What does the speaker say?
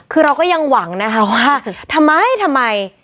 คือเราก็ยังหวังนะคะว่าทำไมทำไม